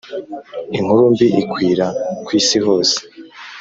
inkuru mbi ikwira kw’isi hose